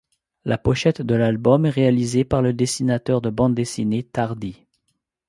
La pochette de l'album est réalisée par le dessinateur de bande dessinée Tardi.